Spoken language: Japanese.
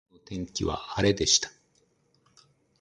今日の天気は晴れでした。